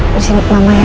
disini buat mama ya